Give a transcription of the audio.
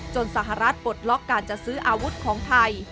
สหรัฐปลดล็อกการจะซื้ออาวุธของไทย